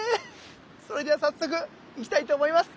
それでは早速行きたいと思います。